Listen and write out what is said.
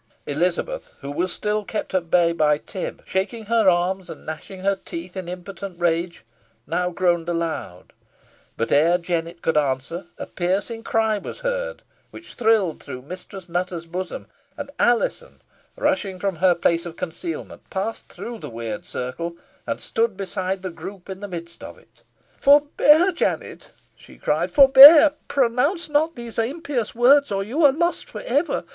Elizabeth, who was still kept at bay by Tib, shaking her arms, and gnashing her teeth, in impotent rage, now groaned aloud; but ere Jennet could answer, a piercing cry was heard, which thrilled through Mistress Nutter's bosom, and Alizon, rushing from her place of concealment, passed through the weird circle, and stood beside the group in the midst of it. "Forbear, Jennet," she cried; "forbear! Pronounce not those impious words, or you are lost for ever.